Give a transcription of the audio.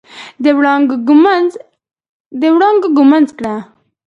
د وړانګو ږمنځ کړه